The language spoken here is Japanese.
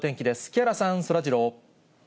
木原さん、そらジロー。